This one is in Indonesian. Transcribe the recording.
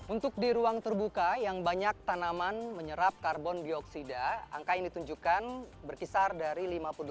untuk di ruang terbuka yang banyak tanaman menyerap karbon bioksida angka yang ditunjukkan berkisar dari